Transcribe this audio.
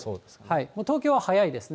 東京は早いですね。